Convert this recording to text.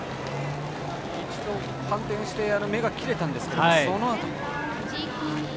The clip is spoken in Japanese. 一度、反転して目が切れたんですけどそのあとも。